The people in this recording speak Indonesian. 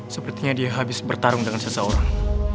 sepertinya dia habis bertarung dengan seseorang